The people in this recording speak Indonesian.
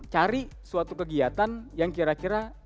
cari suatu kegiatan yang kira kira